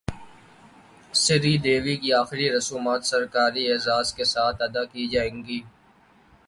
سری دیوی کی اخری رسومات سرکاری اعزاز کے ساتھ ادا کی جائیں گی